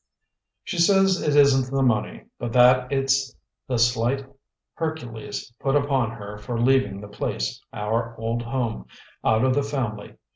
"She says it isn't the money, but that it's the slight Hercules put upon her for leaving the place, our old home, out of the family.